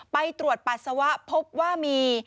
ไปตรวจปัสสาวะพบว่ามี